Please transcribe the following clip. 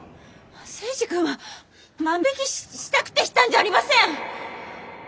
征二君は万引きしたくてしたんじゃありません！